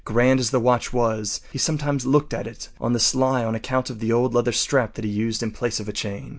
Grand as the watch was, he sometimes looked at it on the sly on account of the old leather strap that he used in place of a chain.